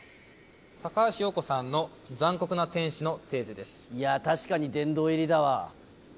高橋洋子さんの残酷な天使のいやー、確かに殿堂入りだわ。